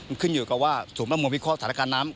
มันขึ้นอยู่กับว่าสูงประมวลวิเคราะห์สถานการณ์น้ำ